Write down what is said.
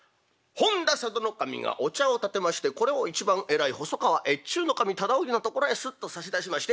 本多佐渡守がお茶をたてましてこれを一番偉い細川越中守忠興のところへすっと差し出しまして。